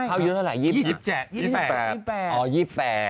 อายุเท่าไหร่๒๒๘๒๘